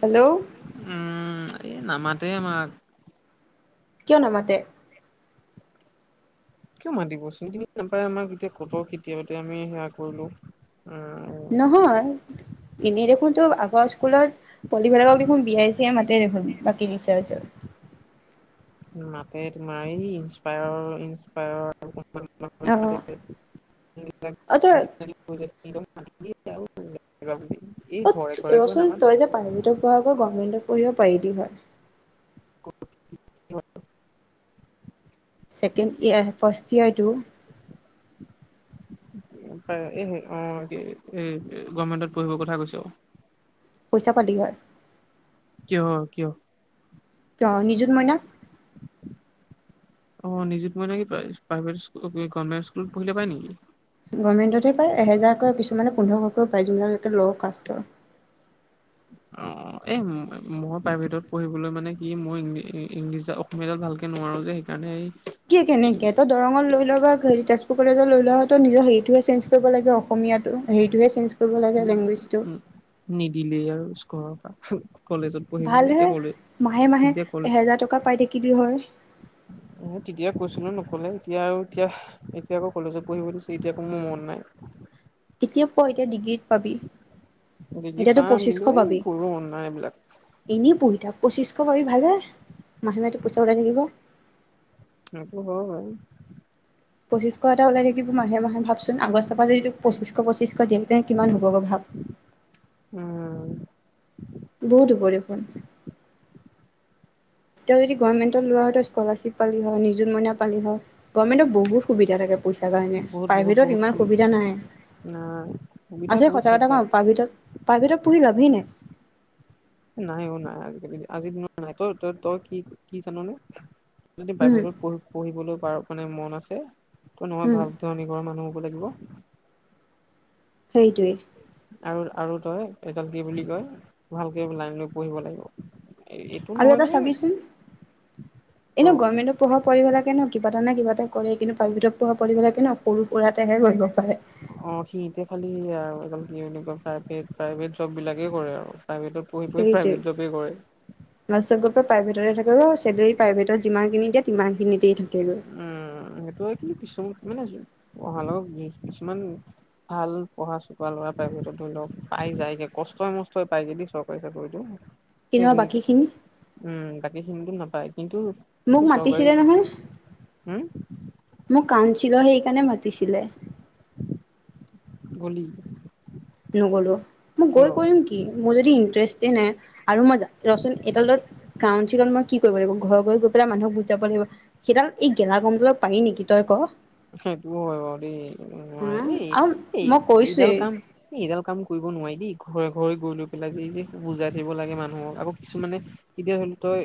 Hello, উম, এই নামাতে আমাক। কিয় নামাতে। কিয় মাতিবচোন চিনি তিনি নাপায় আমাক গতিকে কট কেতিয়াবাতে আমি সেৱয়া কৰিলো। উম নহয় এনেই দেখোন তো আগৰ স্কুলত। পলিভেলৰ পৰা দেখোন বিয়াাই চি মাতে দেখোন বাকী চাৰ। মাতে তোমাৰ এই ইনসপায়াৰ - ইনসপায়াৰ। অ অ তই [unintelligible] য। [unintelligible] অ, ৰচ তই যে প্ৰাইভেটৰ পঢ় আক গভমেন্টত পঢ়িব পাৰি লি হয়। [unintelligible] চেকেণ্ড ইয়াৰ ফষ্টট ইয়াৰটো। এই অ, এই গভমেন্টত পঢ়িবৰ কথা কৈছো অ। পইচা পাতি হয়। কিহৰ - কিহৰ। অ, নিজুত মইনা। অ, নিযুত মইনা কি প্ৰাইভেট স্কুল গমেণ্ট স্কুলত পঢ়িলে পায় নেকি। গভমেণ্টতহে পায় এহেজাৰকৈ কিছুমানে পোন্ধৰশকৈও পায় যিমানকে ল' কাষ্টৰ। অ', অ, এ মই প্ৰাইভেটত পঢ়িবলৈ মানে কি মইং ইংলিছ অসমীয়াাত ভালকে নোৱাৰো যে। সেইকাৰণে। কি কেনেকে তই ত' নিজৰ অসমীয়া তো হে চেঞ্জ কৰিব লাগে অসমটো। উ - উ নিদিলেই আৰু ঘৰৰ পৰা। কলেজত পঢ়িবলৈ ভালহে এতিয়া কলেজ মাহে - মাহে এতিয়া কল এহেজাৰ টকা পাই থাকিলে হয়। তেতিয়া কৈছিলো নকলে এতিয়া আৰু এতিয়া এতিয়া আকৌ কলেজত পঢ়িব দিছে এতিয়া আকৌ মোৰ মন নাই। এতিয়া প এতিয়া ডিগ্ৰীত পাবি। ডিগ্ৰী এতিাতো পাম কিন্তু পচিছশ এই মোৰ পাবি পঢ়িব মন নাই এইবিলাক এনেই পঢ়ি থাক। পঁচিছশ পাবি ভালে মাহে মাহেটো পইচা ওলাই থাকিব। সেইটো হয় বাৰু। পঁচিশ এটা ওলাই থাকিব মাহে মাহে ভাবচোন আগষ্টৰ পৰা যদি তোক পঁচিশ পঁচিশ দিয়ক তেন্ত কিমান হব ভাব। উম। বহুতো পৰিপূৰ্ণ। তেওঁ যদি গভমেণ্টত লোৱা হয় স্কলাৰশ্বিপ পালি হয় নিয মইনা পালি হয়। গভৰ্মেণ্টত বহুত সুবিধা থাকে পইচাৰ কাৰণে বহুত বহুত প্ৰাইভেটত বহুত ইমান সুবিধা নাই। সুবিধা আছে বহুত সঁচা কথা থাকে কওঁ প্ৰাইভটত প্ৰাইভটত পঢ়ি লাবি নাই। নাই অ নাই আজিকালি আজিৰ দিনত নাই তই তই তই কি কি জাননে। যদি উম প্ৰাইভেট পঢ় পঢ়িবলৈ পাৰ মানে মন আছে ত' নহয় উম ভাল ধৰ নি ঘৰৰ মানুহ। লাগিব। সেইটোৱে। আৰু আৰু তই এডাল কি বুলি কয় ভালকে লাইন লৈ পঢ়িব লাগিব। এইটো আৰু নহয় এটা যে চাবিচোন ত এনে গভমেন্টৰ পঢ়া পঢ়িব লাগে ন কিবা এটা নে কিবা এটা। কৰে কিন্তু পাৰৃথক প লাগে ন সৰু সুৰাতেহে কৰিব পাৰে অ সি'এতিয়া খালি আৰু প্ৰভ প্ৰাইভেট জব বিলাকে কৰে আৰু। প্ৰাইভেটত পঢ়ি পঢ়ি সেইটোৱে প্ৰাইভেট জবেই কৰে। লাষ্টত গৈ প্ৰাইভেটতে থাকিব প্ৰাইভেটত যিমানিন দিয়েিমানখিনি। উম সেইটো হয় কিন্তু কিছু মানে অহাৰ লগত কিছুমান। ভাল পঢ়া চুা লৰা প্ৰাইভেটত ধৰি লওক পাই যায়গে কষ্টই মষ্টই পায়গে দ চৰকাৰী চাকৰিতটো। কিন্তু সেইজনীে বাকীখিনি উম বাকী হিন্দু নাপ কিন্ত মোক এতিয়া চৰকাৰী। মাতিছিলে নহয় হম। মোক কানছিল সেইকাৰণে মাতিছিলে। গলি? নগলো, মই কিয় গৈ কৰিম কি মোৰ যদি ইন্টাৰেষ্ট নাই। আৰু মই ৰচুন এডালত গ্ৰাউন চিকন মই। কি কৰিব লাগিব, ঘৰৰ গৈ গৈ পেলাই মানুহক বুজ যাব লাগিব সেইডাল এই গেলা গমজলৰ পাৰি নেকি তই ক? সেইটো হয় বাৰু দেই। অ হা এই আৰু এই মই এইডাল কৈছোৱেই কাম, এই এইডাল কাম কৰিব নোৱাৰি দেই। ঘৰে ঘৰি গৈ লৈ পেলাই যে যে বুজাই থাকিব লাগে মানুহক আকৌ কিছুমানে এতিয়া ধৰি লও তই।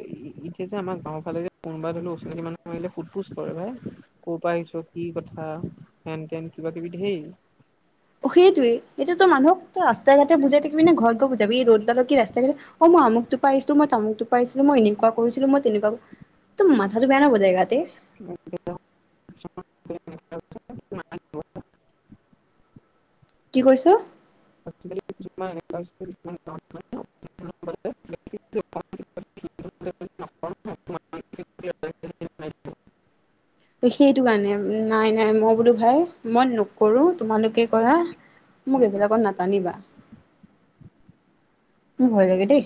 এতিয়া যে আমাৰ গাঁওৰ ফালে যে কোনোবা অচিনাকি মানুহ আহিলে সুদ পোছ কৰে ভাই ক'ৰ পৰা আহিছত। কি কথা হেন তেন কিবা কিবি ঢেৰ। সেইটয়ে এইটো, মানুহক ৰাস্তা ঘাট বুজাই থাকিবি ঘৰত গৈ বুজাবি এই ৰ'। কী ৰাস্তা কেইটা মই আমুক। টোপাই আমই তামুক টোপাই আছিলো মই এনেকুৱা কৰিছিলো মই তেনেকুৱা একো মাথাটো বেয়া নহবেগাতে [unintelligible] [unintelligible] [unintelligible] কি কৈছ? [unintelligible] [inaudible] [inaudible] সেইটো কাৰণে, নাই নাই মই বোলো ভাই মই নকৰো তোমালোকে কৰা। মোক এইবিলাকত নাটানিবা। [unintelligible] মোৰ ভয় লাগে দেই।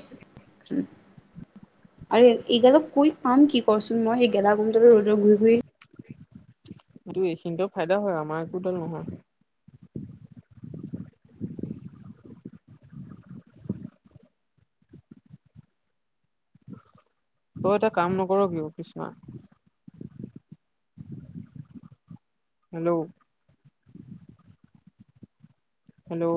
আৰু এইগালক কৈ কাম কি কচোন মই, সেই গেলা গুমডটোৰ ৰ'দত ঘূৰি ঘূৰি। কিন্তু এইখিনিতেও ফাইদা হয় আমাৰ একোডাল নহয়। তই এটা কাম নকৰ ক অফিছনা। হেল্ল'। হেল্ল'